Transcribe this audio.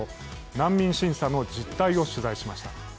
難民審査の実態を取材しました。